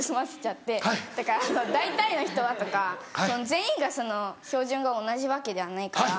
だから「大体の人は」とか。全員が標準が同じわけではないから。